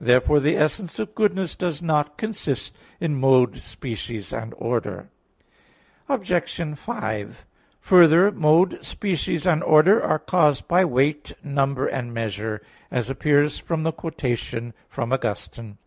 Therefore the essence of goodness does not consist in mode, species and order. Obj. 5: Further, mode, species and order are caused by weight, number and measure, as appears from the quotation from Augustine.